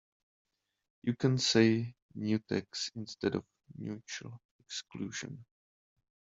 You can say mutex instead of mutual exclusion.